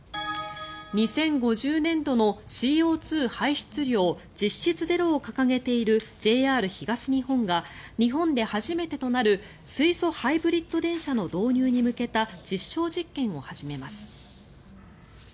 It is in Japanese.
２０５０年度のＣＯ２排出量実質ゼロを掲げているＪＲ東日本が日本で初めてとなる水素ハイブリッド電車の導入に向けた実証実験を始めます。